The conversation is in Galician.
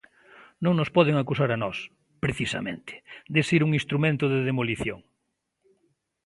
Non nos poden acusar a nós, precisamente, de ser un instrumento de demolición.